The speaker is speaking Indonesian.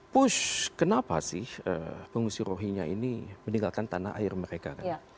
push kenapa sih pengungsi rohinya ini meninggalkan tanah air mereka kan